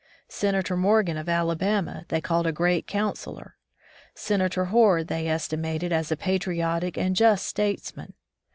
Senator Morgan of Alabama they called a great councillor. Senator Hoar they esti mated as a patriotic and just statesman.